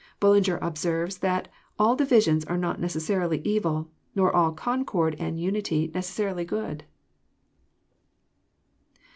Bullinger observes, that " all divisions are not necessarily evil, nor all concord and unity necessarily good."